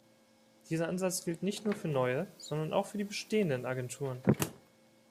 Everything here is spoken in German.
Dieser Ansatz gilt nicht nur für neue, sondern auch für die bestehenden Agenturen.